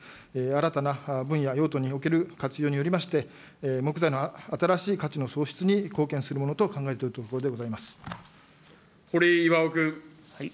新たな分野、用途における活用によりまして、木材の新しい価値の創出に貢献するものと考えている堀井巌君。